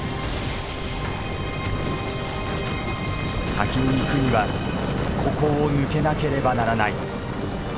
先に行くにはここを抜けなければならない。